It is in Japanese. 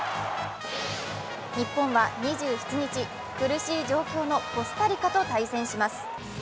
日本は２７日、苦しい状況のコスタリカと対戦します。